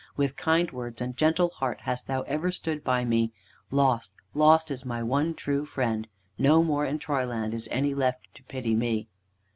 With kind words and gentle heart hast thou ever stood by me. Lost, lost is my one true friend. No more in Troyland is any left to pity me."